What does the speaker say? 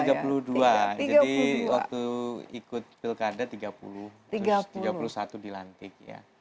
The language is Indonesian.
jadi waktu ikut pilkada tiga puluh terus tiga puluh satu dilantik ya